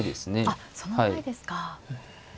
あっその前ですか。